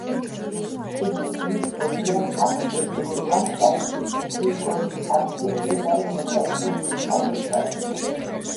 ხიდი ქმნის ერთიან არქიტექტურულ ანსამბლს კრიუკოვის არხზე მდებარე მოსაზღვრე ხიდთან ერთად.